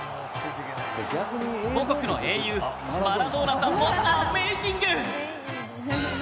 母国の英雄、マラドーナさんもアメイジング！